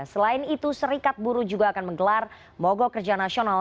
selain itu serikat buru juga akan menggelar mogok kerja nasional